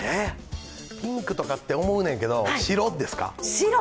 ピンクとかって思うねんけど白ですか。